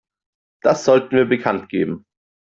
Das sollten wir bekanntgeben.